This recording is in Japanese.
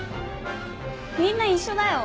みんな一緒だよ。